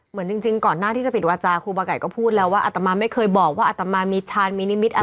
จริงก่อนหน้าที่จะปิดวาจาครูบาไก่ก็พูดแล้วว่าอัตมาไม่เคยบอกว่าอัตมามีชาญมีนิมิตอะไร